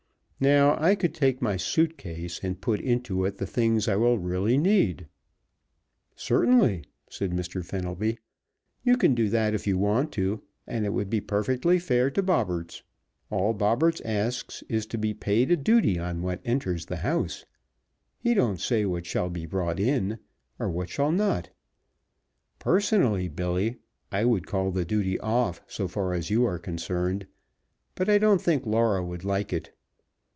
Now, I could take my suit case and put into it the things I will really need " "Certainly," said Mr. Fenelby. "You can do that if you want to, and it would be perfectly fair to Bobberts. All Bobberts asks is to be paid a duty on what enters the house. He don't say what shall be brought in, or what shall not. Personally, Billy, I would call the duty off, so far as you are concerned, but I don't think Laura would like it.